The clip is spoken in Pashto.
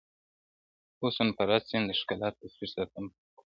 حسن پرست يم د ښکلا تصوير ساتم په زړه کي,